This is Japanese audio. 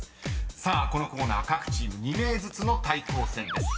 ［さあこのコーナー各チーム２名ずつの対抗戦です］